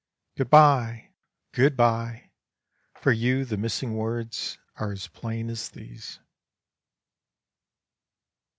Good bye! good bye! for you the missing words are as plain as these.